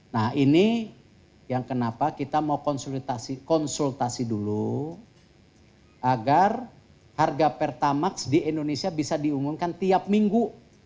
nah ini yang kenapa kita mau konsultasi dulu agar harga pertamax di indonesia bisa diumumkan tiap minggu